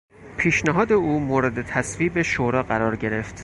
پیشنهاد او مورد تصویب شورا قرار گرفت.